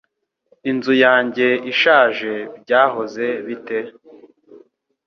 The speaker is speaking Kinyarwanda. Inzu yanjye ishaje byahoze bite?